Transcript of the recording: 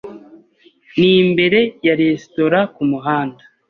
Ni imbere ya resitora kumuhanda